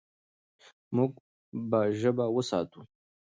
موږ به ژبه وساتو.